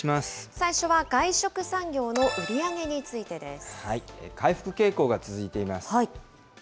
最初は外食産業の売り上げに回復傾向が続いています。